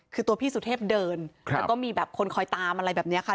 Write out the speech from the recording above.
คือตัวพี่สุเทพเดินแล้วก็มีแบบคนคอยตามอะไรแบบนี้ค่ะ